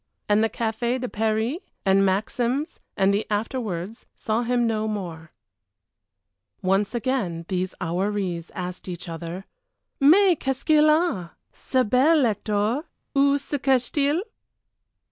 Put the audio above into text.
And the Café de Paris and Maxims and the afterwards saw him no more. Once again these houris asked each other, "Mais qu'est ce qu'il a! Ce bel Hector? Oú se cache t il?"